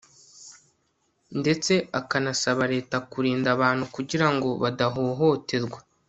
ndetse akanasaba leta kurinda abantu kugira ngo badahohoterwa